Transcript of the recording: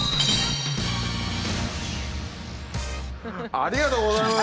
ありがとうございます！